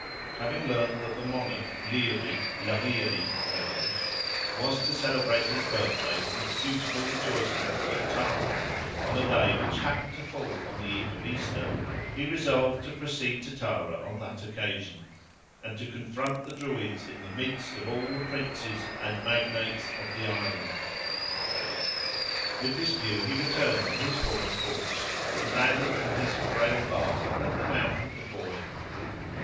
Having learned that the monarch, Leary (Laeghaire), was to celebrate his birthday with suitable rejoicings at Tara, on a day which happened to fall on the eve of Easter, he resolved to proceed to Tara on that occasion, and to confront the Druids in the midst of all the princes and magnates of the Island. With this view he returned on his former course, and landed from his frail barque at the mouth of the Boyne.